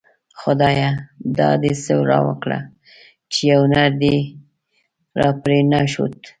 خدايه دا دی څه راوکړه ;چی يو نر دی راپری نه ښود